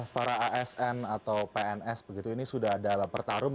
para asn atau pns begitu ini sudah ada pertarung